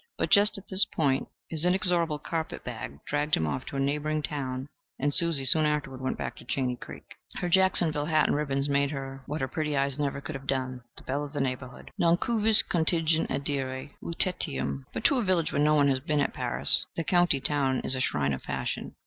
But just at this point his inexorable carpet bag dragged him off to a neighboring town, and Susie soon afterward went back to Chaney Creek. Her Jacksonville hat and ribbons made her what her pretty eyes never could have done the belle of the neighborhood. Non cuivis contingit adire Lutetiam, but to a village where no one has been at Paris the county town is a shrine of fashion.